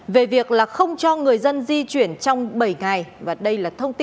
về việc không cho người dân di chuyển trong bảy ngày